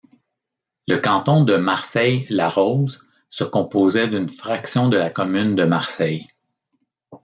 Le canton de Marseille-La Rose se composait d’une fraction de la commune de Marseille.